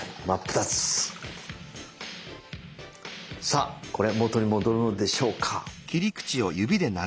さあこれ元に戻るのでしょうか？